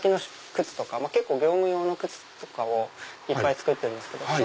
結構業務用の靴とかをいっぱい作ってるんですけど。